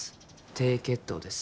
低血糖です